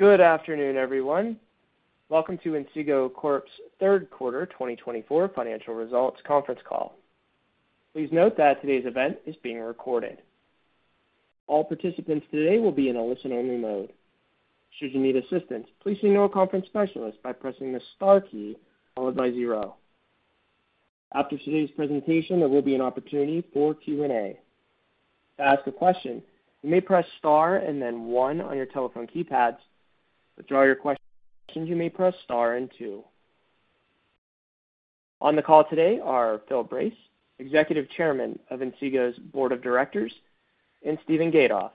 Good afternoon, everyone. Welcome to Inseego Corp's third quarter 2024 financial results conference call. Please note that today's event is being recorded. All participants today will be in a listen-only mode. Should you need assistance, please see your conference specialist by pressing the star key followed by zero. After today's presentation, there will be an opportunity for Q&A. To ask a question, you may press star and then one on your telephone keypads. To withdraw your questions, you may press star and two. On the call today are Phil Brace, Executive Chairman of Inseego's Board of Directors, and Steven Gatoff,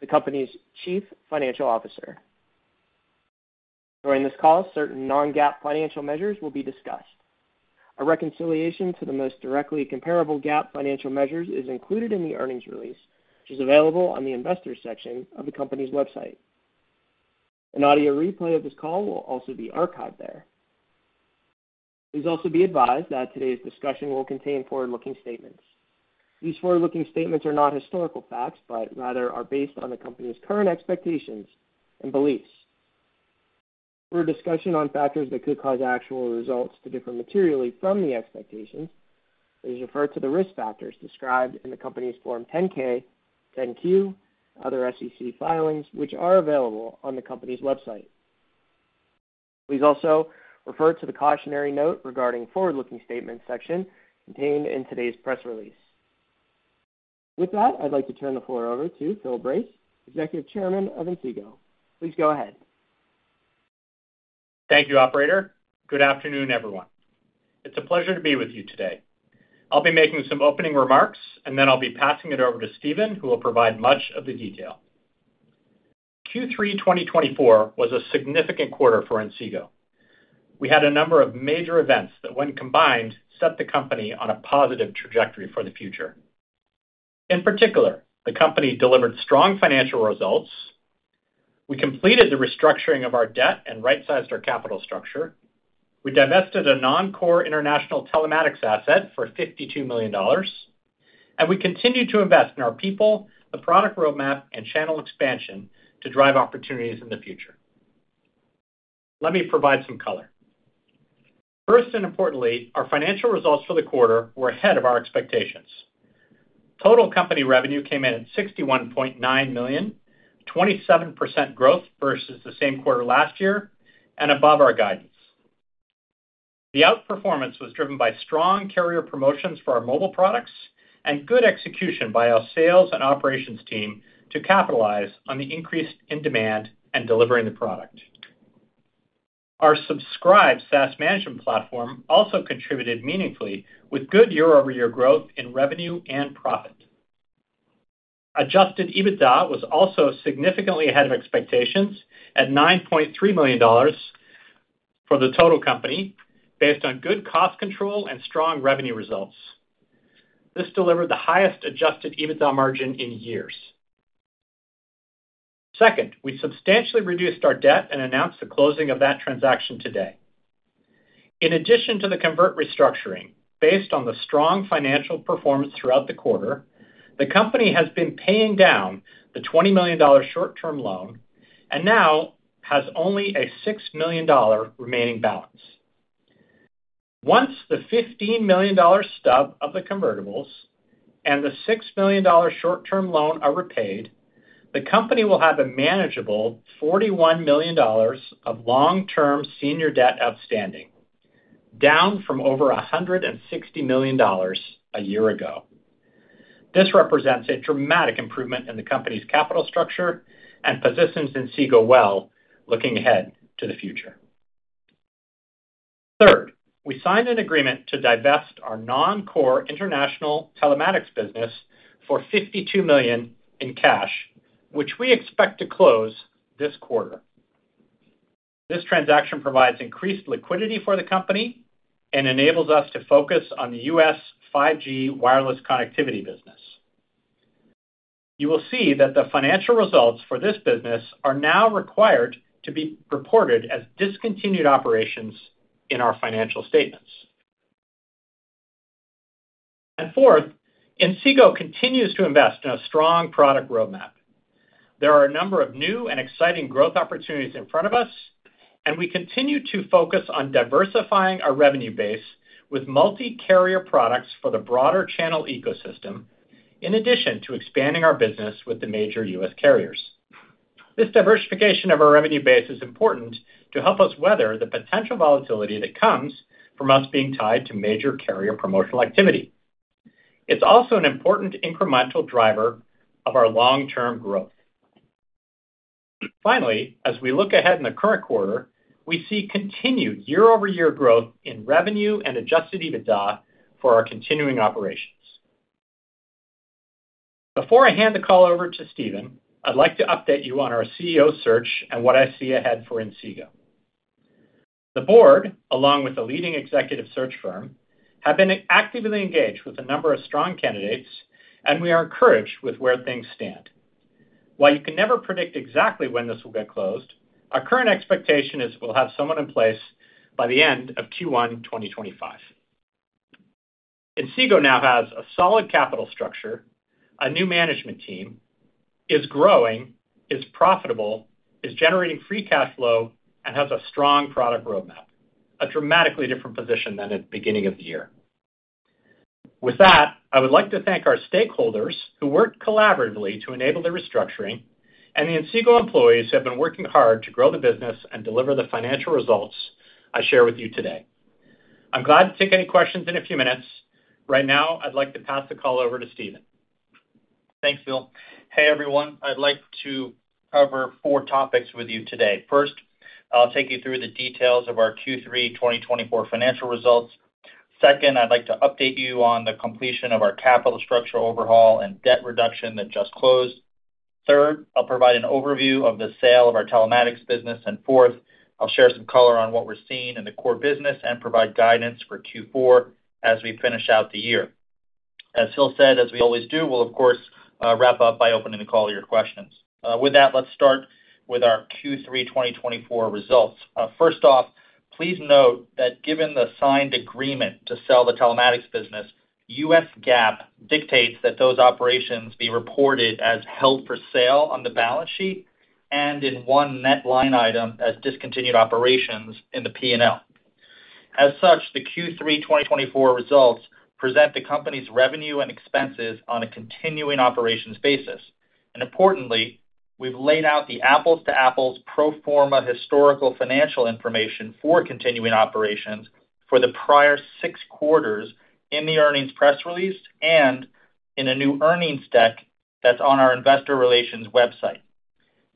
the company's Chief Financial Officer. During this call, certain non-GAAP financial measures will be discussed. A reconciliation to the most directly comparable GAAP financial measures is included in the earnings release, which is available on the investor section of the company's website. An audio replay of this call will also be archived there. Please also be advised that today's discussion will contain forward-looking statements. These forward-looking statements are not historical facts but rather are based on the company's current expectations and beliefs. For a discussion on factors that could cause actual results to differ materially from the expectations, please refer to the risk factors described in the company's Form 10-K, 10-Q, and other SEC filings, which are available on the company's website. Please also refer to the cautionary note regarding the forward-looking statements section contained in today's press release. With that, I'd like to turn the floor over to Phil Brace, Executive Chairman of Inseego. Please go ahead. Thank you, Operator. Good afternoon, everyone. It's a pleasure to be with you today. I'll be making some opening remarks, and then I'll be passing it over to Steven, who will provide much of the detail. Q3 2024 was a significant quarter for Inseego. We had a number of major events that, when combined, set the company on a positive trajectory for the future. In particular, the company delivered strong financial results. We completed the restructuring of our debt and right-sized our capital structure. We divested a non-core international telematics asset for $52 million, and we continued to invest in our people, the product roadmap, and channel expansion to drive opportunities in the future. Let me provide some color. First and importantly, our financial results for the quarter were ahead of our expectations. Total company revenue came in at $61.9 million, 27% growth versus the same quarter last year, and above our guidance. The outperformance was driven by strong carrier promotions for our mobile products and good execution by our sales and operations team to capitalize on the increase in demand and delivering the product. Our Subscribe SaaS management platform also contributed meaningfully, with good year-over-year growth in revenue and profit. Adjusted EBITDA was also significantly ahead of expectations at $9.3 million for the total company, based on good cost control and strong revenue results. This delivered the highest adjusted EBITDA margin in years. Second, we substantially reduced our debt and announced the closing of that transaction today. In addition to the convert restructuring, based on the strong financial performance throughout the quarter, the company has been paying down the $20 million short-term loan and now has only a $6 million remaining balance. Once the $15 million stub of the convertibles and the $6 million short-term loan are repaid, the company will have a manageable $41 million of long-term senior debt outstanding, down from over $160 million a year ago. This represents a dramatic improvement in the company's capital structure and positions Inseego well looking ahead to the future. Third, we signed an agreement to divest our non-core international telematics business for $52 million in cash, which we expect to close this quarter. This transaction provides increased liquidity for the company and enables us to focus on the U.S. 5G wireless connectivity business. You will see that the financial results for this business are now required to be reported as discontinued operations in our financial statements, and fourth, Inseego continues to invest in a strong product roadmap. There are a number of new and exciting growth opportunities in front of us, and we continue to focus on diversifying our revenue base with multi-carrier products for the broader channel ecosystem, in addition to expanding our business with the major U.S. carriers. This diversification of our revenue base is important to help us weather the potential volatility that comes from us being tied to major carrier promotional activity. It's also an important incremental driver of our long-term growth. Finally, as we look ahead in the current quarter, we see continued year-over-year growth in revenue and Adjusted EBITDA for our continuing operations. Before I hand the call over to Steven, I'd like to update you on our CEO search and what I see ahead for Inseego. The board, along with the leading executive search firm, have been actively engaged with a number of strong candidates, and we are encouraged with where things stand. While you can never predict exactly when this will get closed, our current expectation is we'll have someone in place by the end of Q1 2025. Inseego now has a solid capital structure, a new management team, is growing, is profitable, is generating free cash flow, and has a strong product roadmap, a dramatically different position than at the beginning of the year. With that, I would like to thank our stakeholders who worked collaboratively to enable the restructuring and the Inseego employees who have been working hard to grow the business and deliver the financial results I share with you today. I'm glad to take any questions in a few minutes. Right now, I'd like to pass the call over to Steven. Thanks, Phil. Hey, everyone. I'd like to cover four topics with you today. First, I'll take you through the details of our Q3 2024 financial results. Second, I'd like to update you on the completion of our capital structure overhaul and debt reduction that just closed. Third, I'll provide an overview of the sale of our telematics business. And fourth, I'll share some color on what we're seeing in the core business and provide guidance for Q4 as we finish out the year. As Phil said, as we always do, we'll, of course, wrap up by opening the call to your questions. With that, let's start with our Q3 2024 results. First off, please note that given the signed agreement to sell the telematics business, U.S. GAAP dictates that those operations be reported as held for sale on the balance sheet and in one net line item as discontinued operations in the P&L. As such, the Q3 2024 results present the company's revenue and expenses on a continuing operations basis, and importantly, we've laid out the apples-to-apples pro forma historical financial information for continuing operations for the prior six quarters in the earnings press release and in a new earnings deck that's on our investor relations website.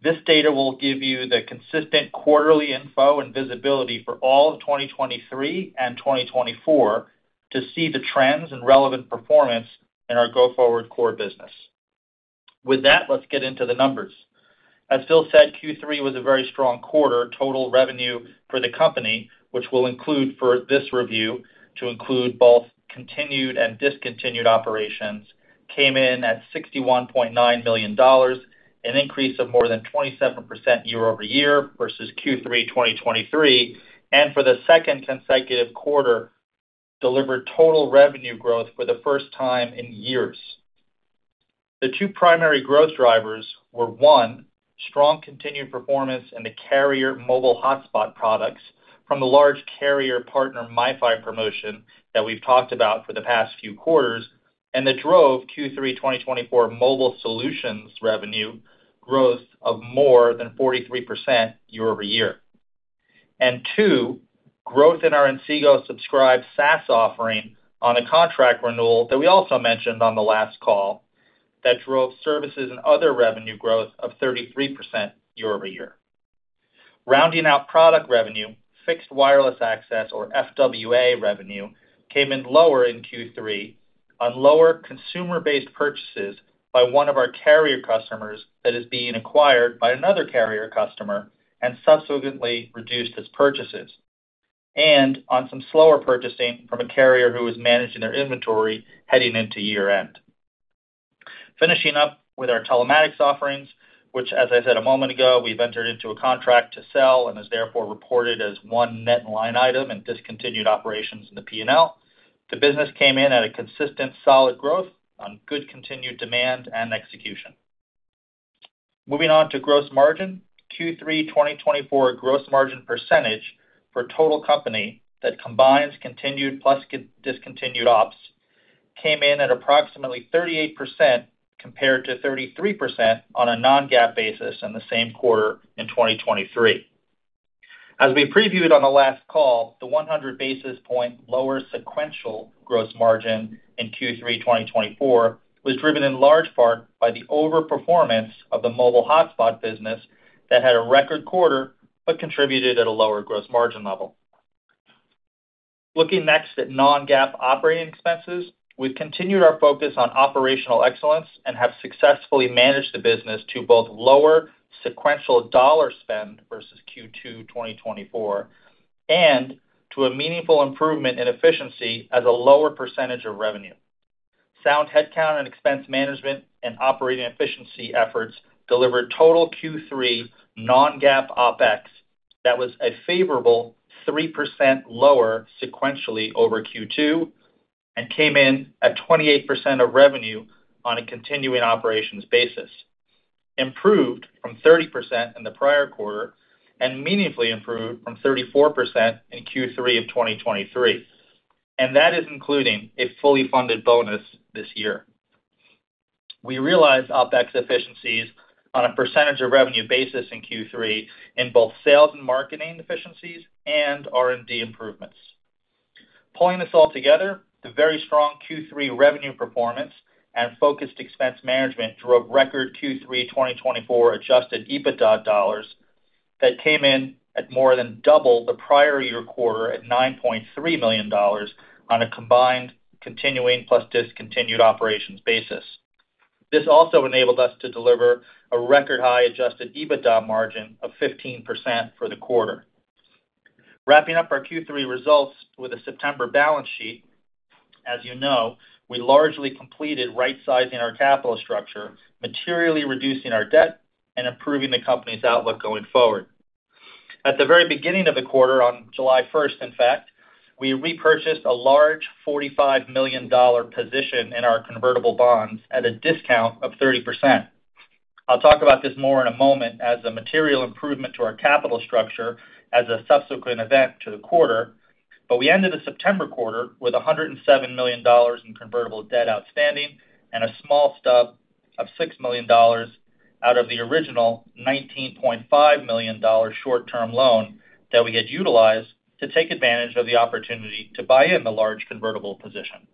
This data will give you the consistent quarterly info and visibility for all of 2023 and 2024 to see the trends and relevant performance in our go-forward core business. With that, let's get into the numbers. As Phil said, Q3 was a very strong quarter. Total revenue for the company, which we'll include for this review to include both continued and discontinued operations, came in at $61.9 million, an increase of more than 27% year-over-year versus Q3 2023, and for the second consecutive quarter, delivered total revenue growth for the first time in years. The two primary growth drivers were, one, strong continued performance in the carrier mobile hotspot products from the large carrier partner MiFi promotion that we've talked about for the past few quarters, and that drove Q3 2024 mobile solutions revenue growth of more than 43% year-over-year, and two, growth in our Inseego Subscribe SaaS offering on a contract renewal that we also mentioned on the last call that drove services and other revenue growth of 33% year-over-year. Rounding out product revenue, fixed wireless access, or FWA revenue, came in lower in Q3 on lower consumer-based purchases by one of our carrier customers that is being acquired by another carrier customer and subsequently reduced his purchases, and on some slower purchasing from a carrier who is managing their inventory heading into year-end. Finishing up with our telematics offerings, which, as I said a moment ago, we've entered into a contract to sell and is therefore reported as one net line item and discontinued operations in the P&L, the business came in at a consistent solid growth on good continued demand and execution. Moving on to gross margin, Q3 2024 gross margin percentage for total company that combines continued plus discontinued ops came in at approximately 38% compared to 33% on a Non-GAAP basis in the same quarter in 2023. As we previewed on the last call, the 100 basis point lower sequential gross margin in Q3 2024 was driven in large part by the overperformance of the mobile hotspot business that had a record quarter but contributed at a lower gross margin level. Looking next at non-GAAP operating expenses, we've continued our focus on operational excellence and have successfully managed the business to both lower sequential dollar spend versus Q2 2024 and to a meaningful improvement in efficiency as a lower percentage of revenue. Sound headcount and expense management and operating efficiency efforts delivered total Q3 non-GAAP OPEX that was a favorable 3% lower sequentially over Q2 and came in at 28% of revenue on a continuing operations basis, improved from 30% in the prior quarter and meaningfully improved from 34% in Q3 of 2023, and that is including a fully funded bonus this year. We realized OPEX efficiencies on a percentage of revenue basis in Q3 in both sales and marketing efficiencies and R&D improvements. Pulling this all together, the very strong Q3 revenue performance and focused expense management drove record Q3 2024 adjusted EBITDA dollars that came in at more than double the prior year quarter at $9.3 million on a combined continuing plus discontinued operations basis. This also enabled us to deliver a record high adjusted EBITDA margin of 15% for the quarter. Wrapping up our Q3 results with a September balance sheet, as you know, we largely completed right-sizing our capital structure, materially reducing our debt and improving the company's outlook going forward. At the very beginning of the quarter, on July 1st, in fact, we repurchased a large $45 million position in our convertible bonds at a discount of 30%. I'll talk about this more in a moment as a material improvement to our capital structure as a subsequent event to the quarter, but we ended the September quarter with $107 million in convertible debt outstanding and a small stub of $6 million out of the original $19.5 million short-term loan that we had utilized to take advantage of the opportunity to buy in the large convertible position.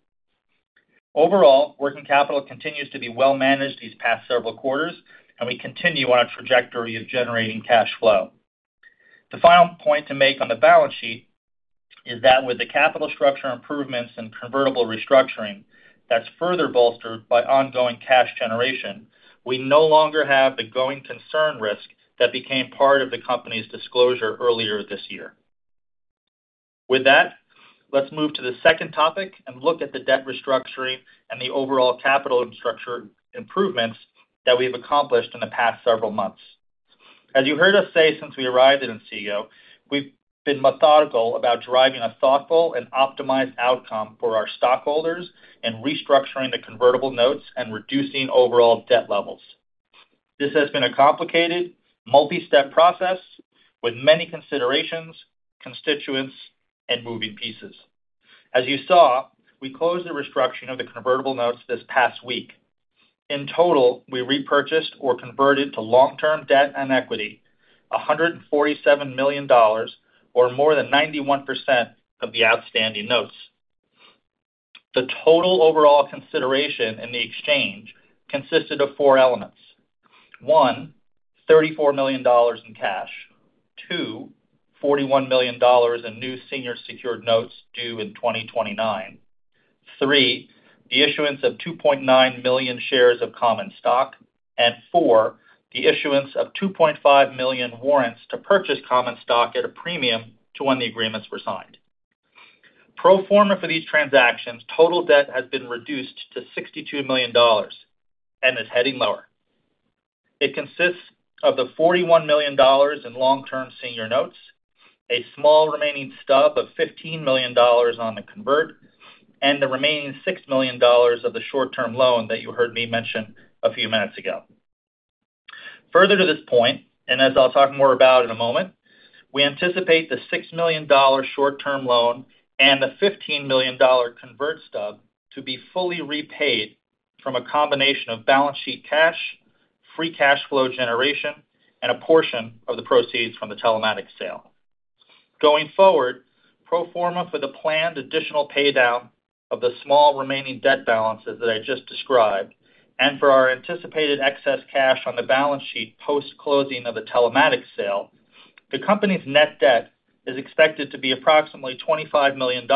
Overall, working capital continues to be well managed these past several quarters, and we continue on a trajectory of generating cash flow. The final point to make on the balance sheet is that with the capital structure improvements and convertible restructuring that's further bolstered by ongoing cash generation, we no longer have the going concern risk that became part of the company's disclosure earlier this year. With that, let's move to the second topic and look at the debt restructuring and the overall capital structure improvements that we've accomplished in the past several months. As you heard us say since we arrived at Inseego, we've been methodical about driving a thoughtful and optimized outcome for our stockholders and restructuring the convertible notes and reducing overall debt levels. This has been a complicated, multi-step process with many considerations, constituents, and moving pieces. As you saw, we closed the restructuring of the convertible notes this past week. In total, we repurchased or converted to long-term debt and equity $147 million, or more than 91% of the outstanding notes. The total overall consideration in the exchange consisted of four elements. One, $34 million in cash. Two, $41 million in new senior secured notes due in 2029. Three, the issuance of 2.9 million shares of common stock. And four, the issuance of 2.5 million warrants to purchase common stock at a premium to when the agreements were signed. Pro forma for these transactions, total debt has been reduced to $62 million and is heading lower. It consists of the $41 million in long-term senior notes, a small remaining stub of $15 million on the convert, and the remaining $6 million of the short-term loan that you heard me mention a few minutes ago. Further to this point, and as I'll talk more about in a moment, we anticipate the $6 million short-term loan and the $15 million convert stub to be fully repaid from a combination of balance sheet cash, free cash flow generation, and a portion of the proceeds from the telematics sale. Going forward, pro forma for the planned additional paydown of the small remaining debt balances that I just described, and for our anticipated excess cash on the balance sheet post-closing of the telematics sale, the company's net debt is expected to be approximately $25 million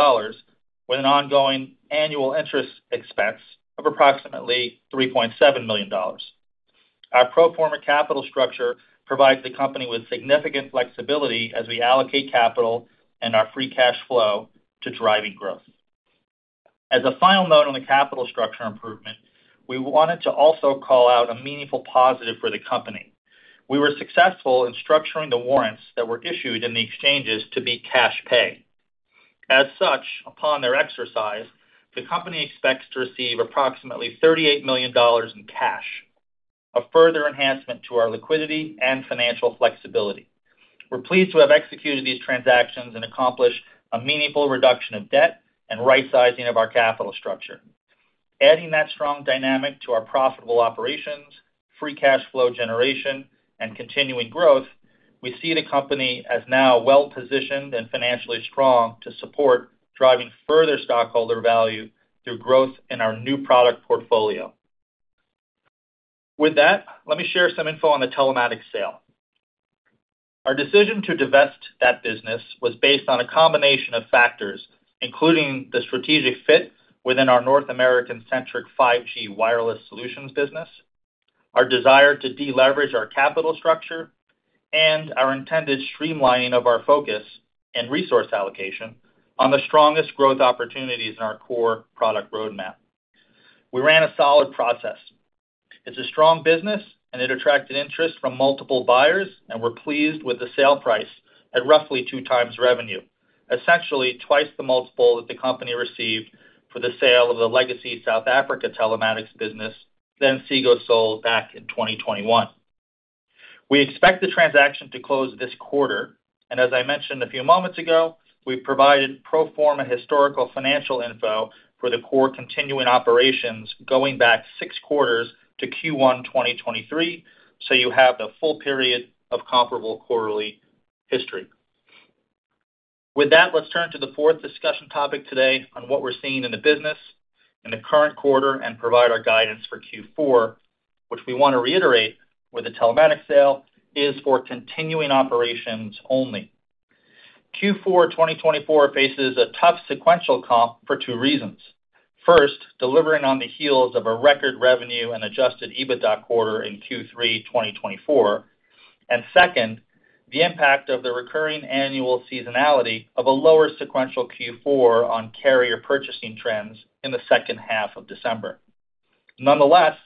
with an ongoing annual interest expense of approximately $3.7 million. Our pro forma capital structure provides the company with significant flexibility as we allocate capital and our free cash flow to driving growth. As a final note on the capital structure improvement, we wanted to also call out a meaningful positive for the company. We were successful in structuring the warrants that were issued in the exchanges to be cash pay. As such, upon their exercise, the company expects to receive approximately $38 million in cash, a further enhancement to our liquidity and financial flexibility. We're pleased to have executed these transactions and accomplished a meaningful reduction of debt and right-sizing of our capital structure. Adding that strong dynamic to our profitable operations, free cash flow generation, and continuing growth, we see the company as now well-positioned and financially strong to support driving further stockholder value through growth in our new product portfolio. With that, let me share some info on the telematics sale. Our decision to divest that business was based on a combination of factors, including the strategic fit within our North American-centric 5G wireless solutions business, our desire to deleverage our capital structure, and our intended streamlining of our focus and resource allocation on the strongest growth opportunities in our core product roadmap. We ran a solid process. It's a strong business, and it attracted interest from multiple buyers, and we're pleased with the sale price at roughly two times revenue, essentially twice the multiple that the company received for the sale of the legacy South Africa telematics business that Inseego sold back in 2021. We expect the transaction to close this quarter. And as I mentioned a few moments ago, we've provided pro forma historical financial info for the core continuing operations going back six quarters to Q1 2023, so you have the full period of comparable quarterly history. With that, let's turn to the fourth discussion topic today on what we're seeing in the business in the current quarter and provide our guidance for Q4, which we want to reiterate with the telematics sale is for continuing operations only. Q4 2024 faces a tough sequential comp for two reasons. First, delivering on the heels of a record revenue and Adjusted EBITDA quarter in Q3 2024. And second, the impact of the recurring annual seasonality of a lower sequential Q4 on carrier purchasing trends in the second half of December. Nonetheless,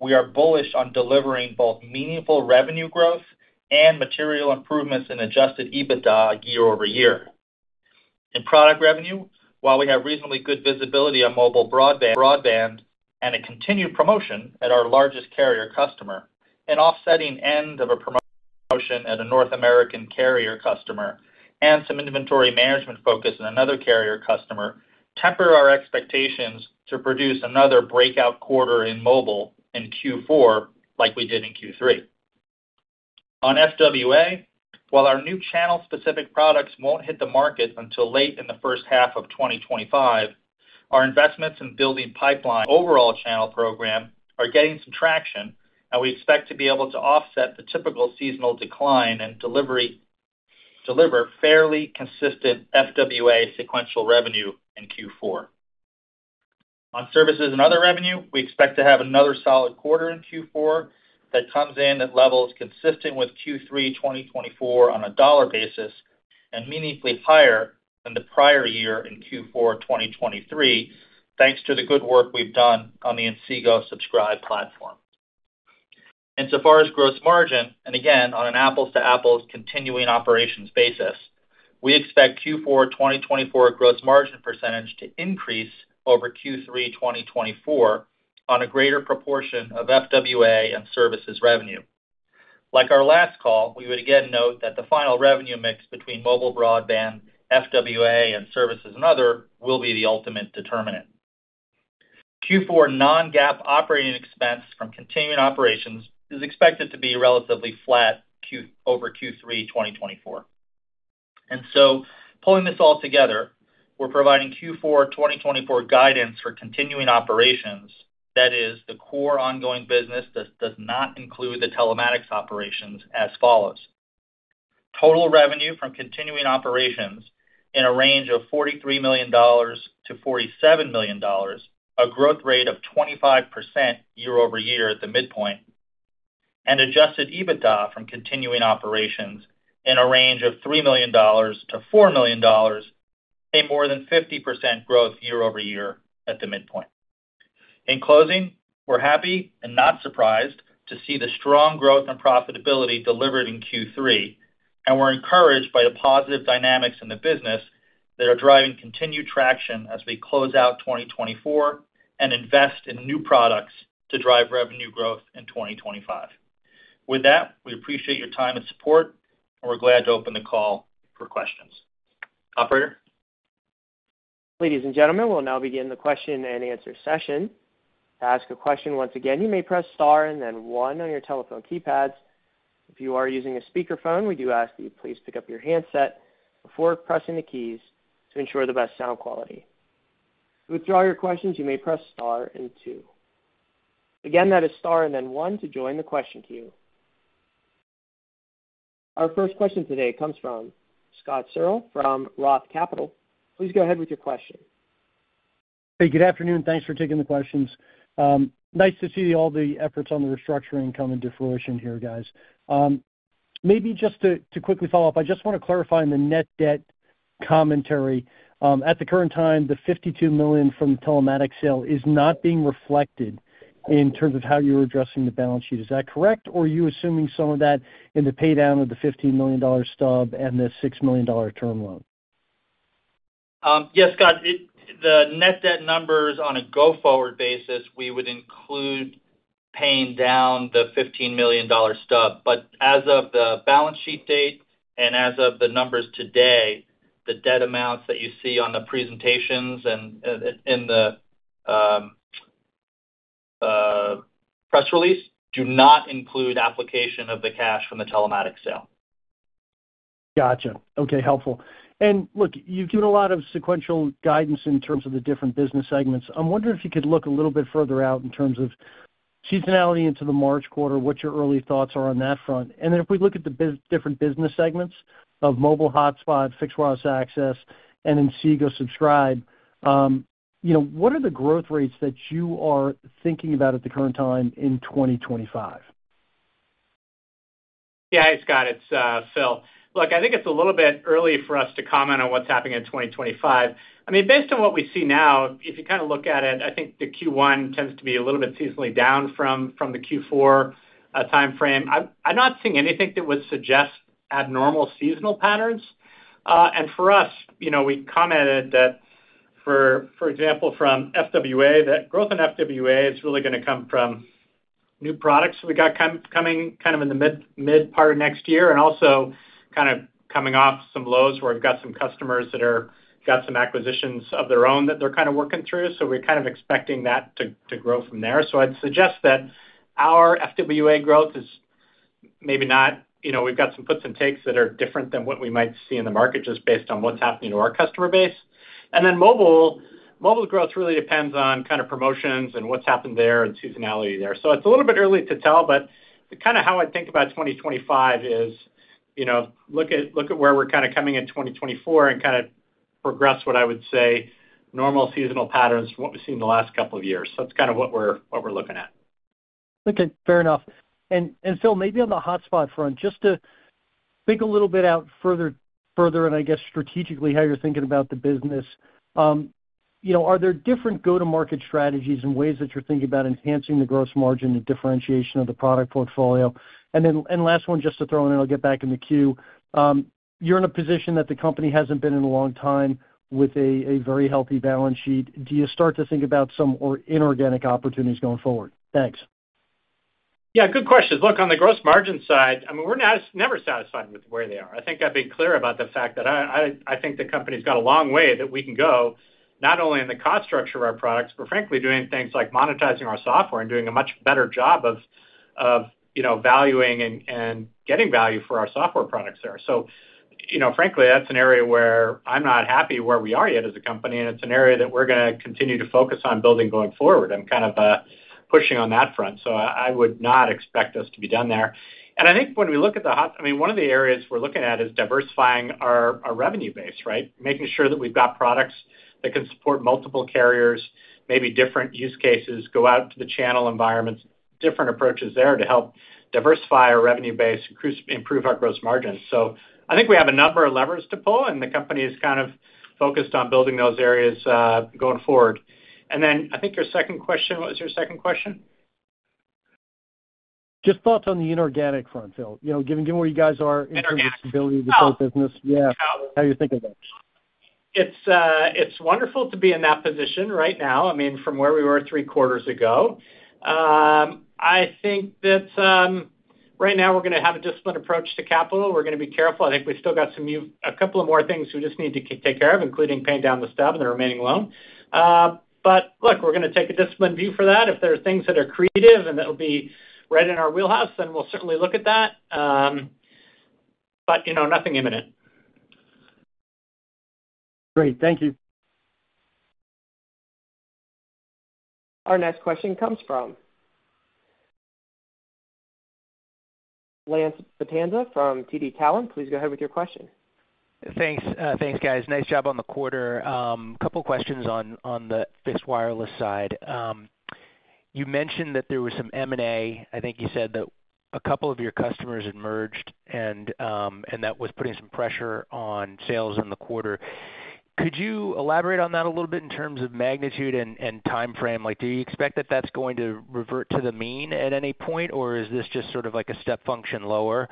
we are bullish on delivering both meaningful revenue growth and material improvements in Adjusted EBITDA year-over-year. In product revenue, while we have reasonably good visibility on mobile broadband and a continued promotion at our largest carrier customer, an offsetting end of a promotion at a North American carrier customer and some inventory management focus in another carrier customer temper our expectations to produce another breakout quarter in mobile in Q4 like we did in Q3. On FWA, while our new channel-specific products won't hit the market until late in the first half of 2025, our investments in building pipeline overall channel program are getting some traction, and we expect to be able to offset the typical seasonal decline and deliver fairly consistent FWA sequential revenue in Q4. On services and other revenue, we expect to have another solid quarter in Q4 that comes in at levels consistent with Q3 2024 on a dollar basis and meaningfully higher than the prior year in Q4 2023, thanks to the good work we've done on the Inseego Subscribe platform. Insofar as gross margin, and again, on an apples-to-apples continuing operations basis, we expect Q4 2024 gross margin percentage to increase over Q3 2024 on a greater proportion of FWA and services revenue. Like our last call, we would again note that the final revenue mix between mobile broadband, FWA, and services and other will be the ultimate determinant. Q4 non-GAAP operating expense from continuing operations is expected to be relatively flat over Q3 2024. And so, pulling this all together, we're providing Q4 2024 guidance for continuing operations, that is, the core ongoing business that does not include the telematics operations, as follows. Total revenue from continuing operations in a range of $43 million-$47 million, a growth rate of 25% year-over-year at the midpoint, and adjusted EBITDA from continuing operations in a range of $3 million-$4 million, a more than 50% growth year-over-year at the midpoint. In closing, we're happy and not surprised to see the strong growth and profitability delivered in Q3, and we're encouraged by the positive dynamics in the business that are driving continued traction as we close out 2024 and invest in new products to drive revenue growth in 2025. With that, we appreciate your time and support, and we're glad to open the call for questions. Bob Barbieri. Ladies and gentlemen, we'll now begin the question and answer session. To ask a question, once again, you may press star and then one on your telephone keypads. If you are using a speakerphone, we do ask that you please pick up your handset before pressing the keys to ensure the best sound quality. To withdraw your questions, you may press star and two. Again, that is star and then one to join the question queue. Our first question today comes from Scott Searle from Roth Capital. Please go ahead with your question. Hey, good afternoon. Thanks for taking the questions. Nice to see all the efforts on the restructuring coming to fruition here, guys. Maybe just to quickly follow up, I just want to clarify on the net debt commentary. At the current time, the $52 million from the telematics sale is not being reflected in terms of how you're addressing the balance sheet. Is that correct? Or are you assuming some of that in the paydown of the $15 million stub and the $6 million term loan? Yes, Scott. The net debt numbers on a go-forward basis, we would include paying down the $15 million stub. But as of the balance sheet date and as of the numbers today, the debt amounts that you see on the presentations and in the press release do not include application of the cash from the telematics sale. Gotcha. Okay, helpful. And look, you've given a lot of sequential guidance in terms of the different business segments. I'm wondering if you could look a little bit further out in terms of seasonality into the March quarter, what your early thoughts are on that front. And then if we look at the different business segments of mobile hotspot, fixed wireless access, and Inseego Subscribe, what are the growth rates that you are thinking about at the current time in 2025? Yeah, hey, Scott, it's Phil. Look, I think it's a little bit early for us to comment on what's happening in 2025. I mean, based on what we see now, if you kind of look at it, I think the Q1 tends to be a little bit seasonally down from the Q4 timeframe. I'm not seeing anything that would suggest abnormal seasonal patterns, and for us, we commented that, for example, from FWA, that growth in FWA is really going to come from new products we got coming kind of in the mid part of next year and also kind of coming off some lows where we've got some customers that have got some acquisitions of their own that they're kind of working through, so we're kind of expecting that to grow from there, so I'd suggest that our FWA growth is maybe not, we've got some puts and takes that are different than what we might see in the market just based on what's happening to our customer base. And then mobile growth really depends on kind of promotions and what's happened there and seasonality there. So it's a little bit early to tell, but kind of how I think about 2025 is look at where we're kind of coming in 2024 and kind of progress what I would say normal seasonal patterns from what we've seen the last couple of years. So that's kind of what we're looking at. Okay, fair enough. And Phil, maybe on the hotspot front, just to think a little bit out further and I guess strategically how you're thinking about the business, are there different go-to-market strategies and ways that you're thinking about enhancing the gross margin and differentiation of the product portfolio? And then last one, just to throw in, and I'll get back in the queue. You're in a position that the company hasn't been in a long time with a very healthy balance sheet. Do you start to think about some inorganic opportunities going forward? Thanks. Yeah, good question. Look, on the Gross Margin side, I mean, we're never satisfied with where they are. I think I've been clear about the fact that I think the company's got a long way that we can go, not only in the cost structure of our products, but frankly, doing things like monetizing our software and doing a much better job of valuing and getting value for our software products there. So frankly, that's an area where I'm not happy where we are yet as a company, and it's an area that we're going to continue to focus on building going forward and kind of pushing on that front. So I would not expect us to be done there. And I think when we look at the hotspot, I mean, one of the areas we're looking at is diversifying our revenue base, right? Making sure that we've got products that can support multiple carriers, maybe different use cases, go out to the channel environments, different approaches there to help diversify our revenue base and improve our gross margins. So I think we have a number of levers to pull, and the company is kind of focused on building those areas going forward. And then I think your second question. What was your second question? Just thought on the inorganic front, Phil, given where you guys are in terms of the scalability of the business, yeah, how are you thinking about it? It's wonderful to be in that position right now, I mean, from where we were three quarters ago. I think that right now we're going to have a disciplined approach to capital. We're going to be careful. I think we still got a couple of more things we just need to take care of, including paying down the stub and the remaining loan. But look, we're going to take a disciplined view for that. If there are things that are creative and that will be right in our wheelhouse, then we'll certainly look at that. But nothing imminent. Great. Thank you. Our next question comes from Lance Vitanza from TD Cowen. Please go ahead with your question. Thanks, guys. Nice job on the quarter. A couple of questions on the fixed wireless side. You mentioned that there was some M&A. I think you said that a couple of your customers had merged, and that was putting some pressure on sales in the quarter. Could you elaborate on that a little bit in terms of magnitude and timeframe? Do you expect that that's going to revert to the mean at any point, or is this just sort of like a step function lower?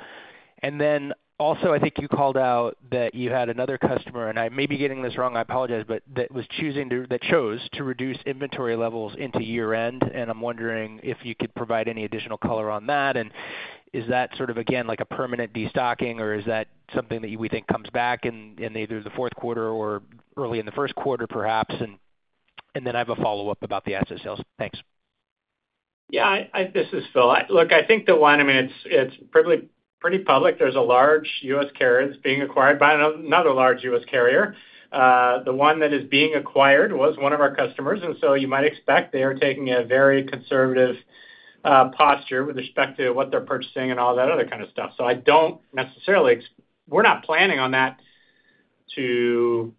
And then also, I think you called out that you had another customer, and I may be getting this wrong, I apologize, but that chose to reduce inventory levels into year-end. And I'm wondering if you could provide any additional color on that? Is that sort of, again, like a permanent destocking, or is that something that we think comes back in either the fourth quarter or early in the first quarter, perhaps? And then I have a follow-up about the asset sales. Thanks. Yeah, this is Phil. Look, I think the one, I mean, it's pretty public. There's a large U.S. carrier that's being acquired by another large U.S. carrier. The one that is being acquired was one of our customers. And so you might expect they are taking a very conservative posture with respect to what they're purchasing and all that other kind of stuff. So I don't necessarily expect we're not planning on that to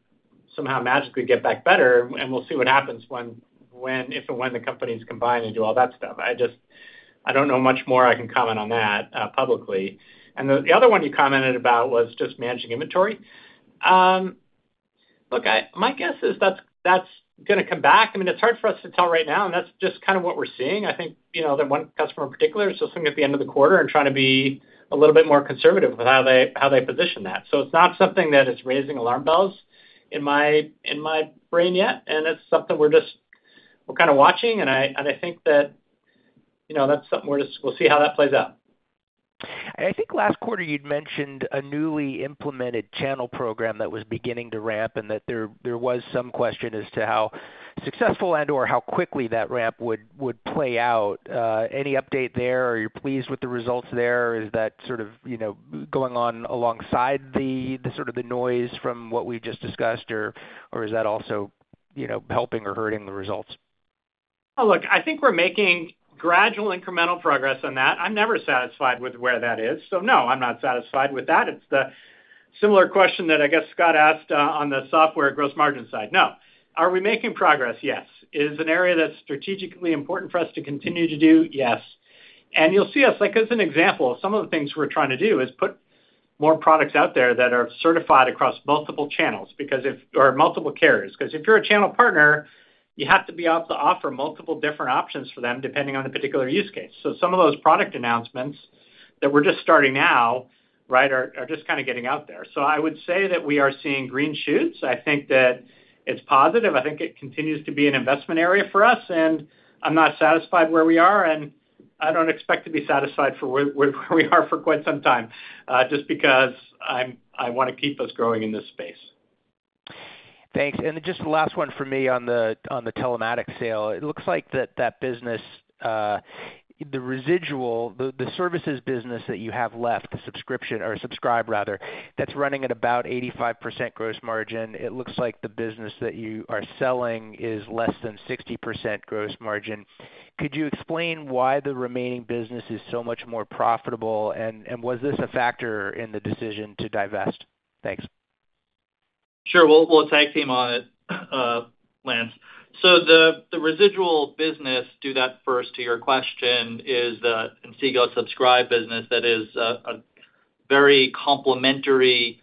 somehow magically get back better, and we'll see what happens if and when the companies combine and do all that stuff. I don't know much more I can comment on that publicly. The other one you commented about was just managing inventory. Look, my guess is that's going to come back. I mean, it's hard for us to tell right now, and that's just kind of what we're seeing. I think that one customer in particular is just looking at the end of the quarter and trying to be a little bit more conservative with how they position that. So it's not something that is raising alarm bells in my brain yet, and it's something we're kind of watching, and I think that that's something we'll see how that plays out. I think last quarter you'd mentioned a newly implemented channel program that was beginning to ramp, and that there was some question as to how successful and/or how quickly that ramp would play out. Any update there? Are you pleased with the results there? Is that sort of going on alongside the sort of noise from what we just discussed, or is that also helping or hurting the results? Look, I think we're making gradual incremental progress on that. I'm never satisfied with where that is. So no, I'm not satisfied with that. It's a similar question that I guess Scott asked on the software gross margin side. No. Are we making progress? Yes. Is it an area that's strategically important for us to continue to do? Yes. And you'll see us, as an example, some of the things we're trying to do is put more products out there that are certified across multiple channels or multiple carriers. Because if you're a channel partner, you have to be able to offer multiple different options for them depending on the particular use case. So some of those product announcements that we're just starting now, right, are just kind of getting out there. So I would say that we are seeing green shoots. I think that it's positive. I think it continues to be an investment area for us, and I'm not satisfied where we are, and I don't expect to be satisfied for where we are for quite some time just because I want to keep us growing in this space. Thanks. And just the last one for me on the telematics sale. It looks like that business, the residual, the services business that you have left, the subscription or subscribe, rather, that's running at about 85% gross margin. It looks like the business that you are selling is less than 60% gross margin. Could you explain why the remaining business is so much more profitable, and was this a factor in the decision to divest? Thanks. Sure. We'll tag team on it, Lance. So the residual business, to that first of your question, is the Inseego Subscribe business that is a very complementary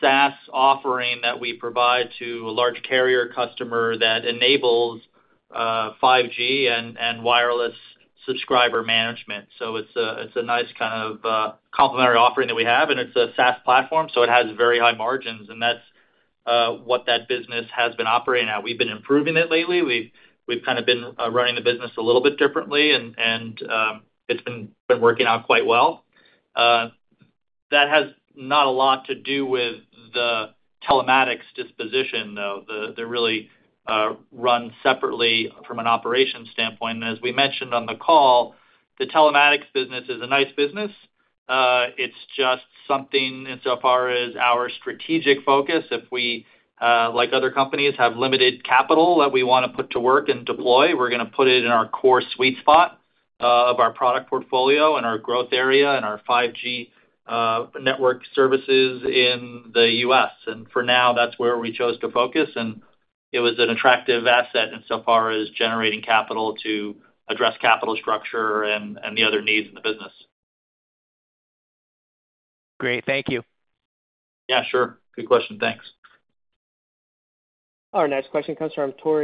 SaaS offering that we provide to a large carrier customer that enables 5G and wireless subscriber management. So it's a nice kind of complementary offering that we have, and it's a SaaS platform, so it has very high margins, and that's what that business has been operating at. We've been improving it lately. We've kind of been running the business a little bit differently, and it's been working out quite well. That has not a lot to do with the telematics disposition, though. They're really run separately from an operations standpoint. As we mentioned on the call, the telematics business is a nice business. It's just something insofar as our strategic focus. If we, like other companies, have limited capital that we want to put to work and deploy, we're going to put it in our core sweet spot of our product portfolio and our growth area and our 5G network services in the US. And for now, that's where we chose to focus, and it was an attractive asset insofar as generating capital to address capital structure and the other needs in the business. Great. Thank you. Yeah, sure. Good question. Thanks. Our next question comes from Tore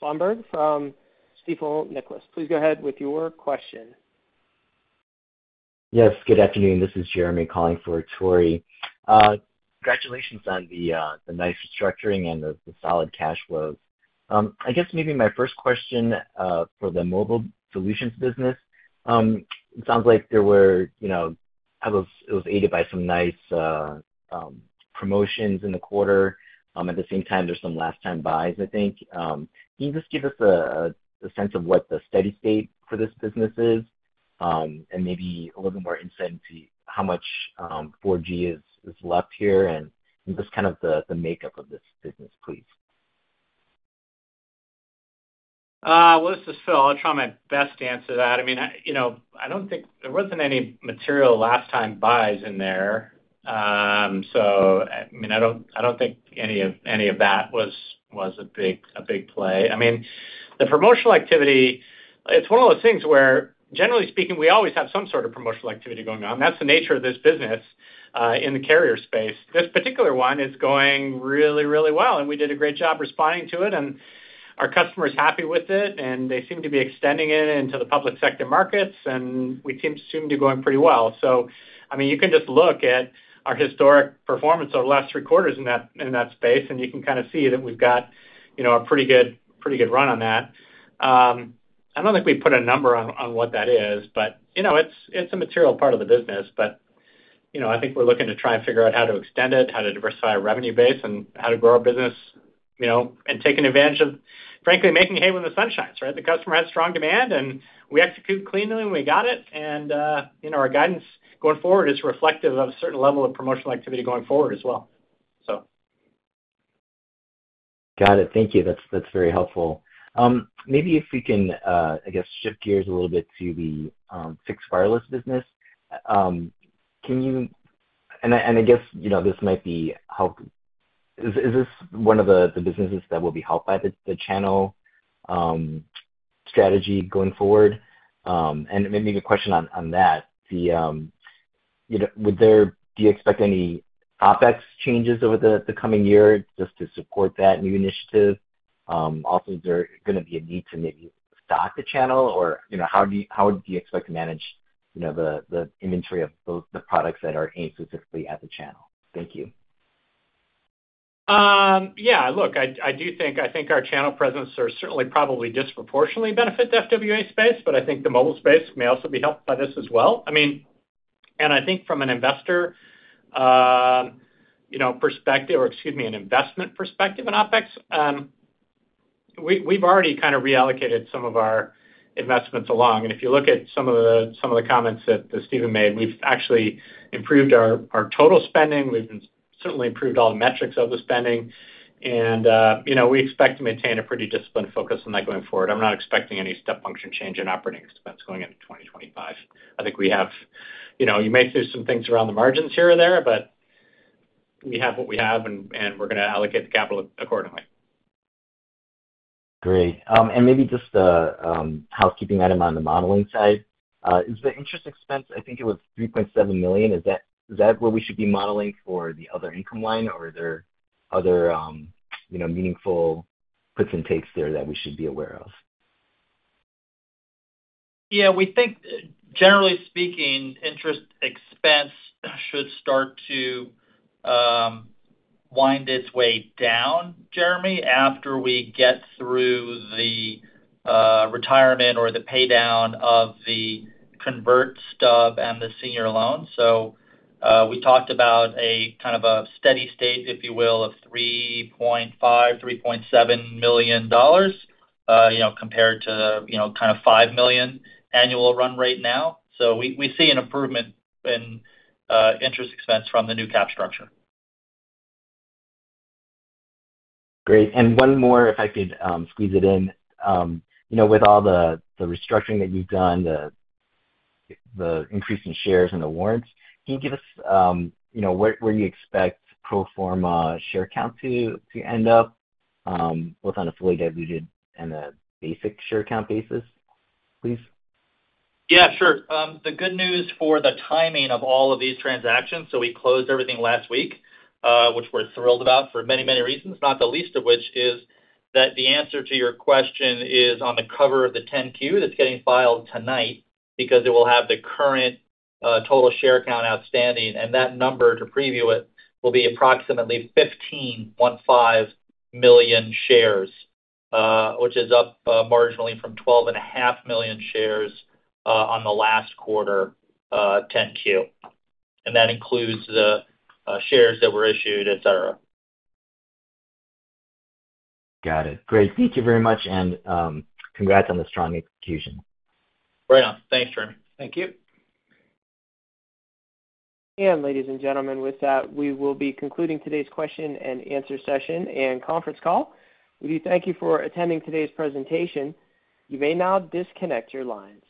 Svanberg from Stifel Nicolaus. Please go ahead with your question. Yes, good afternoon. This is Jeremy Kwan calling for Tore Svanberg. Congratulations on the nice restructuring and the solid cash flows. I guess maybe my first question for the mobile solutions business. It sounds like there were it was aided by some nice promotions in the quarter. At the same time, there's some last-time buys, I think. Can you just give us a sense of what the steady state for this business is and maybe a little bit more insight into how much 4G is left here and just kind of the makeup of this business, please? Well, this is Phil. I'll try my best to answer that. I mean, I don't think there wasn't any material last-time buys in there. So I mean, I don't think any of that was a big play. I mean, the promotional activity, it's one of those things where, generally speaking, we always have some sort of promotional activity going on. That's the nature of this business in the carrier space. This particular one is going really, really well, and we did a great job responding to it, and our customer is happy with it, and they seem to be extending it into the public sector markets, and we seem to be going pretty well. So I mean, you can just look at our historic performance over the last three quarters in that space, and you can kind of see that we've got a pretty good run on that. I don't think we put a number on what that is, but it's a material part of the business. But I think we're looking to try and figure out how to extend it, how to diversify our revenue base, and how to grow our business and take advantage of, frankly, making hay when the sun shines, right? The customer had strong demand, and we execute cleanly when we got it. And our guidance going forward is reflective of a certain level of promotional activity going forward as well, so. Got it. Thank you. That's very helpful. Maybe if we can, I guess, shift gears a little bit to the fixed wireless business. And I guess this might be helped. Is this one of the businesses that will be helped by the channel strategy going forward? And maybe a question on that. Would you expect any OPEX changes over the coming year just to support that new initiative? Also, is there going to be a need to maybe stock the channel, or how do you expect to manage the inventory of the products that are aimed specifically at the channel? Thank you. Yeah. Look, I do think our channel presence are certainly probably disproportionately benefit the FWA space, but I think the mobile space may also be helped by this as well. I mean, and I think from an investor perspective, or excuse me, an investment perspective in OPEX, we've already kind of reallocated some of our investments along. And if you look at some of the comments that Steven made, we've actually improved our total spending. We've certainly improved all the metrics of the spending, and we expect to maintain a pretty disciplined focus on that going forward. I'm not expecting any step function change in operating expense going into 2025. I think you may see some things around the margins here or there, but we have what we have, and we're going to allocate the capital accordingly. Great, and maybe just housekeeping item on the modeling side. Is the interest expense, I think it was $3.7 million. Is that what we should be modeling for the other income line, or are there other meaningful puts and takes there that we should be aware of? Yeah. We think, generally speaking, interest expense should start to wind its way down, Jeremy, after we get through the retirement or the paydown of the convert stub and the senior loan. So we talked about a kind of a steady state, if you will, of $3.5-$3.7 million compared to kind of $5 million annual run rate now. So we see an improvement in interest expense from the new cap structure. Great. And one more, if I could squeeze it in. With all the restructuring that you've done, the increase in shares and the warrants, can you give us where you expect pro forma share count to end up, both on a fully diluted and a basic share count basis, please? Yeah, sure. The good news for the timing of all of these transactions, so we closed everything last week, which we're thrilled about for many, many reasons, not the least of which is that the answer to your question is on the cover of the 10-Q that's getting filed tonight because it will have the current total share count outstanding, and that number to preview it will be approximately 15.5 million shares, which is up marginally from 12.5 million shares on the last quarter 10-Q, and that includes the shares that were issued, etc. Got it. Great. Thank you very much, and congrats on the strong execution. Right on. Thanks, Jeremy. Thank you, and ladies and gentlemen, with that, we will be concluding today's question and answer session and conference call. We do thank you for attending today's presentation. You may now disconnect your lines.